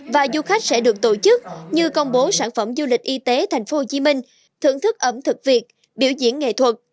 và du khách sẽ được tổ chức như công bố sản phẩm du lịch y tế tp hcm thưởng thức ẩm thực việt biểu diễn nghệ thuật